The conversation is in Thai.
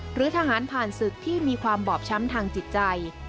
หรือทหารผ่านศึกที่มีความบอบช้ำทางจิตใจ